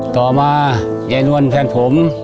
ต่อมายายนวลแฟนผม